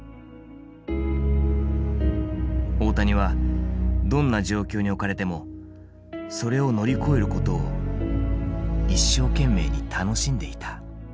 大谷はどんな状況に置かれてもそれを乗り越えることを一生懸命に楽しんでいた。